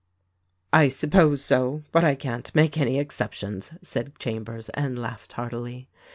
"I suppose so, but I can't make any exceptiono," said Chambers, and laughed heartily.